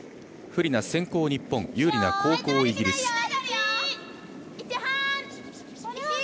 不利な先攻、日本有利な後攻、イギリス。